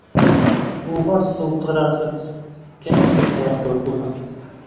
Булғас, ул Ҡыҙрасов... кәмендә Саяф кеүек булһын.